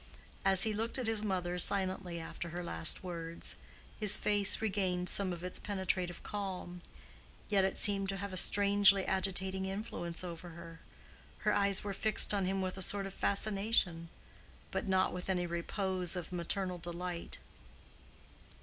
As he looked at his mother silently after her last words, his face regained some of its penetrative calm; yet it seemed to have a strangely agitating influence over her: her eyes were fixed on him with a sort of fascination, but not with any repose of maternal delight.